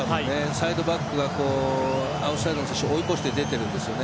サイドバックがアウトサイドの選手を追い越して出ているんですよね。